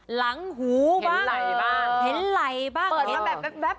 หลังหัวบ้างเห็นไหลบ้าง